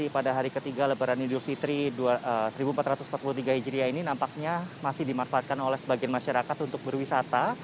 pada hari ketiga lebaran idul fitri seribu empat ratus empat puluh tiga hijriah ini nampaknya masih dimanfaatkan oleh sebagian masyarakat untuk berwisata